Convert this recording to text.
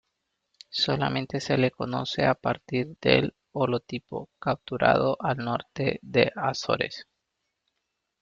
Solamente se le conoce a partir del holotipo capturado al norte de las Azores.